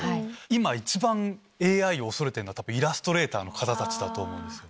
今一番ＡＩを恐れてるのはイラストレーターの方たちだと思うんです。